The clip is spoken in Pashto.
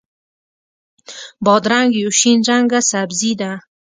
بادرنګ یو شین رنګه سبزي ده.